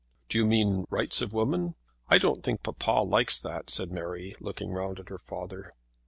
"Do you mean Rights of Women? I don't think papa likes that," said Mary, looking round at her father.